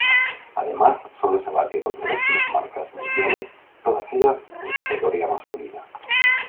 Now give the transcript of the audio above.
Además solo se batieron tres plusmarcas mundiales, todas ellas en categoría masculina.